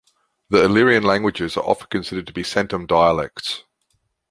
The Illyrian languages are often considered to be centum dialects.